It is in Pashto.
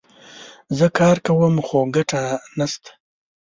زه کار کوم ، خو ګټه نه سته